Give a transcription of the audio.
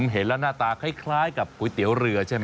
เห็นแล้วหน้าตาคล้ายกับก๋วยเตี๋ยวเรือใช่ไหม